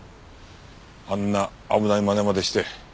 あんな危ないまねまでして。